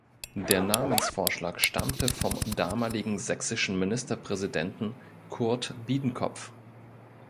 Der Namensvorschlag stammte vom damaligen sächsischen Ministerpräsidenten Kurt Biedenkopf.